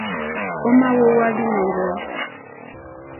Ò ma wowa linɔ̀ŋgɔ̀?